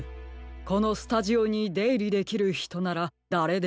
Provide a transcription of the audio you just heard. このスタジオにでいりできるひとならだれでもです。